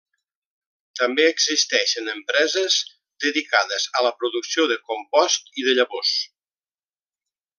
També existeixen empreses dedicades a la producció de compost i de llavors.